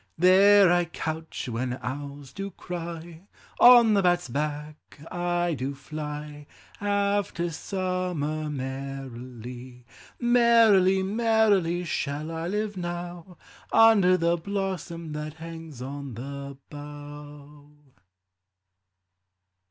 There I couch when owls do cry ; On the bat's back I do fly After summer merrily. Merrily, merrily, shall I live now, Under the blossom that hangs on the bough.